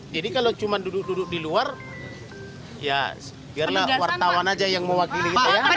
jadi kalau cuma duduk duduk di luar biarlah wartawan aja yang mewakili